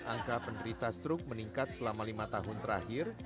angka penderita stroke meningkat selama lima tahun terakhir